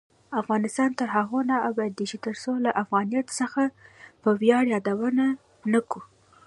افغانستان تر هغو نه ابادیږي، ترڅو له افغانیت څخه په ویاړ یادونه نه کوو.